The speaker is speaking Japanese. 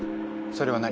それは？何？